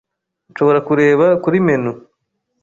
Nshobora kureba kuri menu?